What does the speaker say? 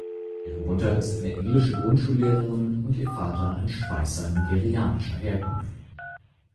Ihre Mutter ist eine englische Grundschullehrerin und ihr Vater ein Schweißer nigerianischer Herkunft.